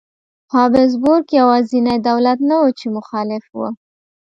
هابسبورګ یوازینی دولت نه و چې مخالف و.